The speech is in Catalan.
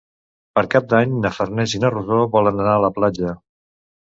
Per Cap d'Any na Farners i na Rosó volen anar a la platja.